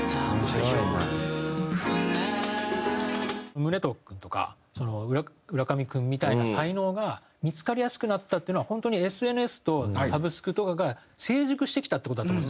宗藤君とか浦上君みたいな才能が見付かりやすくなったというのは本当にＳＮＳとサブスクとかが成熟してきたって事だと思うんですよ。